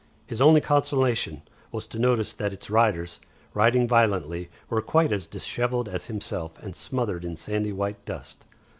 His only consolation was to notice that its riders, riding violently, were quite as dishevelled as himself and smothered in sandy white dust.